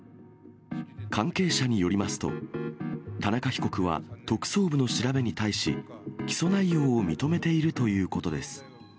関係者によりますと、田中被告は特捜部の調べに対し、起訴内容を認めているということです。